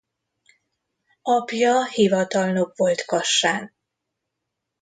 Apja hivatalnok volt Kassán.